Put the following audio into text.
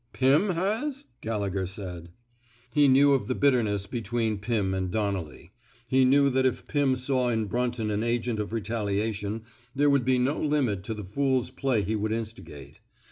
Pim has? " Gallegher said. He knew of the bitterness between Pim and Donnelly. He knew that if Pim saw in Brunton an agent of retaliation, there would be no limit to the fool's play he would insti gate.